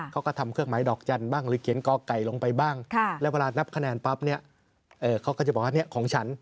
เขาก็ทำเครื่องหมายดอกจันทร์บ้างหรือเขียนกอไก่ลงไปบ้างแล้วเวลานับคะแนนปั๊บเนี่ยเขาก็จะบอกว่าเนี่ยของฉัน